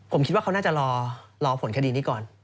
ผมคิดว่าเขาน่าจะรอผลคดีนี้ก่อน